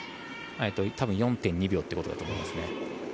多分４．２秒ということだとおもいますね。